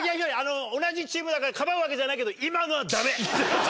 同じチームだからかばうわけじゃないけど。